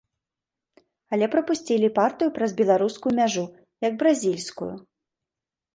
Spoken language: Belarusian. Але прапусцілі партыю праз беларускую мяжу, як бразільскую.